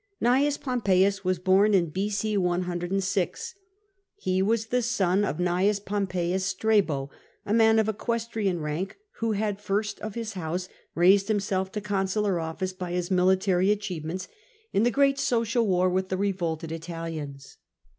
Gnaeus Pompeius was born in B.c. "106. He was the son of Gn. Pompeius Strabo, a man of equestrian rank, who had (first of his house) raised himself to consular office by his military achievements in the great Social war with the revolted Italians.